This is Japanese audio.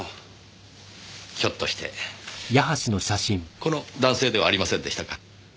ひょっとしてこの男性ではありませんでしたか？